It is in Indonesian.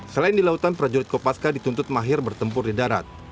selain di lautan prajurit kopaska dituntut mahir bertempur di darat